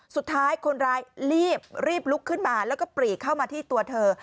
สุดท้ายคนร้ายรีบรีบลุกขึ้นมาแล้วก็ปรีกเข้ามาที่ตัวเธอ